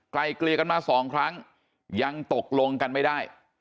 เกลียกันมาสองครั้งยังตกลงกันไม่ได้